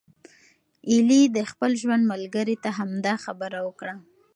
ایلي د خپل ژوند ملګری ته همدا خبره وکړه.